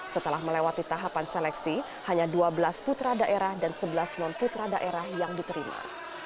setelah melewati tahapan seleksi hanya dua belas putra daerah dan sebelas non putra daerah yang diterima